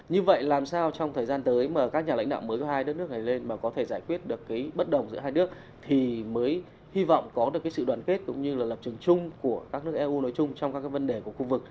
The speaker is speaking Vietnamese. như vậy làm sao trong thời gian tới mà các nhà lãnh đạo mới của hai đất nước này lên mà có thể giải quyết được cái bất đồng giữa hai nước thì mới hy vọng có được cái sự đoàn kết cũng như là lập trường chung của các nước eu nói chung trong các vấn đề của khu vực